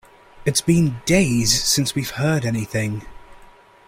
It's been days since we've heard anything.